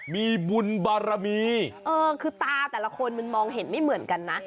มีบุญบารมีเออคือตาแต่ละคนมันมองเห็นไม่เหมือนกันนะ